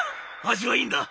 「味はいいんだ！